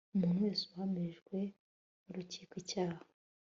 umuntu wese uhamijwe n urukiko icyaha